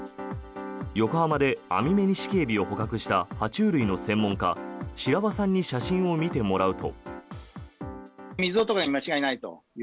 横浜でアミメニシキヘビを捕獲した爬虫類の専門家、白輪さんに写真を見てもらうと。